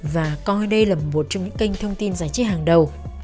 và coi đây là một trong những kênh thông tin giải trí hàng đầu